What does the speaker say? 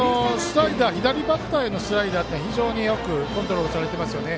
左バッターへのスライダーが非常によくコントロールされてますよね。